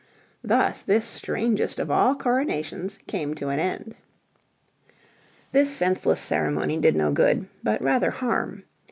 Thus this strangest of all coronations came to an end. This senseless ceremony did no good, but rather harm.